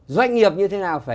doanh nghiệp như thế nào